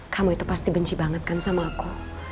kamu itu pasti benci banget kan sama aku